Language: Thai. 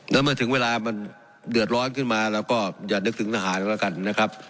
แล้วเมื่อถึงเวลามันเดือดร้อนขึ้นมาเราก็อย่านึกถึงทหารก็แล้วกันนะครับ